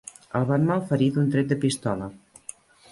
El van malferir d'un tret de pistola.